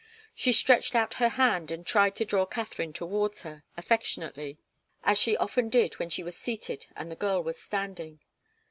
She stretched out her hand and tried to draw Katharine towards her, affectionately, as she often did when she was seated and the girl was standing.